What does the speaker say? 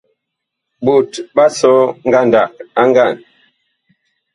Ɓot ɓa sɔ ngandag a ngand.